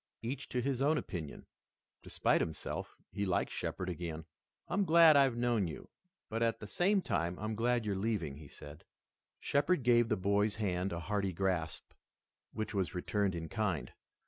Each to his own opinion. Despite himself, he liked Shepard again. "I'm glad I've known you, but at the same time I'm glad you're leaving," he said. Shepard gave the boy's hand a hearty grasp, which was returned in kind.